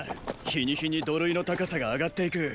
日に日に土塁の高さが上がっていく。